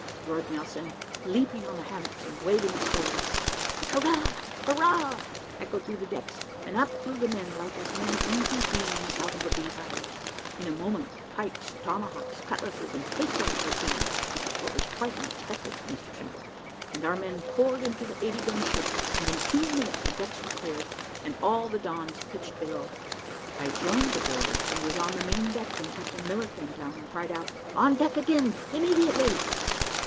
roared Nelson, leaping on the hammocks and waving his sword. "`Hurrah! hurrah!' echoed through the decks, and up flew the men, like as [men] angry bees out of a bee hive. In a moment pikes, tomahawks, cutlasses, and pistols were seized (for it was quite unexpected, Mr Simple), and our men poured into the eighty gun ship, and in two minutes the decks were cleared, and all the Dons pitched below. I joined the boarders and was on the main deck when Captain Miller came down, and cried out, `On deck again immediately.'